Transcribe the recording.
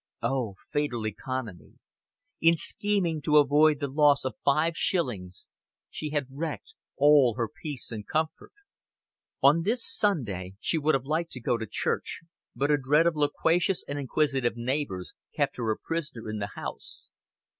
Oh, fatal economy! In scheming to avoid the loss of five shillings she had wrecked all her peace and comfort. On this Sunday she would have liked to go to church, but a dread of loquacious and inquisitive neighbors kept her a prisoner in the house.